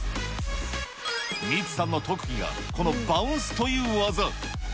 ミツさんの特技が、このバウンスという技。